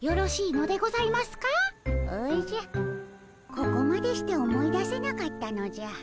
ここまでして思い出せなかったのじゃ。